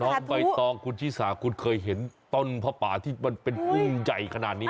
น้องใบตองคุณชิสาคุณเคยเห็นต้นผ้าป่าที่มันเป็นกุ้งใหญ่ขนาดนี้